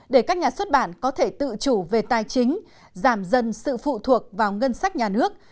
để các nhà xuất bản có thể tự chủ về tài chính giảm dần sự phụ thuộc vào ngân sách nhà nước